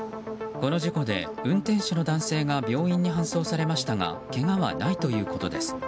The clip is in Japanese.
この事故で、運転手の男性が病院に搬送されましたがけがはないということです。